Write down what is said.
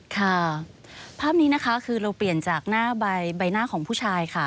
ค่ะภาพนี้นะคะคือเราเปลี่ยนจากหน้าใบหน้าของผู้ชายค่ะ